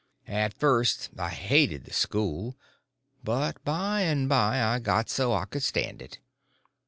At first I hated the school, but by and by I got so I could stand it.